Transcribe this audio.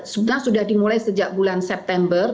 sudah sudah dimulai sejak bulan september